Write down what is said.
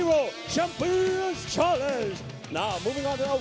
โปรดติดตามต่อไป